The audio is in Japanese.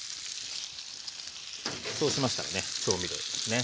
そうしましたらね調味料ですね。